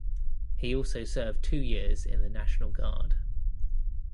He also served two years in the National Guard.